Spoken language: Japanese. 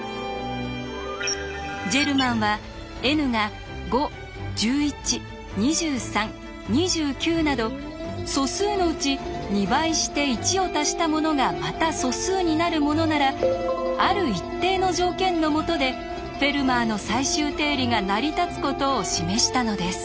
ジェルマンはｎが「５１１２３２９」など素数のうち２倍して１を足したものがまた素数になるものならある一定の条件のもとで「フェルマーの最終定理」が成り立つことを示したのです。